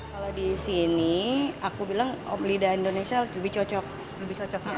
kalau di sini aku bilang om lidah indonesia lebih cocok